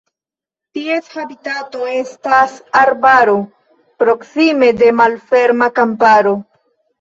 Ties habitato estas arbaro proksime de malferma kamparo.